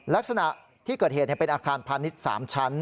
ลักษณะที่เกิดเหตุเป็นอาคารพาณิชย์๓ชั้น